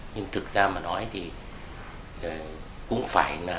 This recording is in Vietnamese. nhưng thực ra mà nói thì cũng phải là